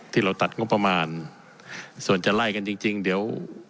ที่เราตัดงบประมาณส่วนจะไล่กันจริงจริงเดี๋ยว